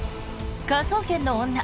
「科捜研の女」